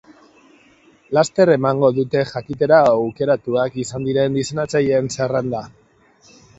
Laster emango dute jakitera aukeratuak izan diren diseinatzaileen zerrenda.